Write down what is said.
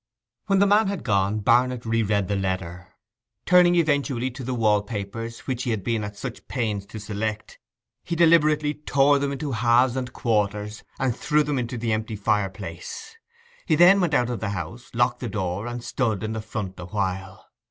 When the man had gone Barnet re read the letter. Turning eventually to the wall papers, which he had been at such pains to select, he deliberately tore them into halves and quarters, and threw them into the empty fireplace. Then he went out of the house; locked the door, and stood in the front awhile.